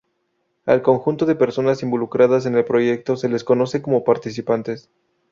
Al conjunto de personas involucradas en el proyecto se les conoce como participantes.